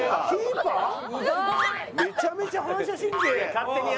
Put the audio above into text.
めちゃめちゃ反射神経。